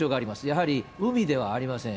やはり海ではありません。